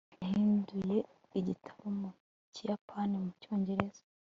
yahinduye igitabo mu kiyapani mu cyongereza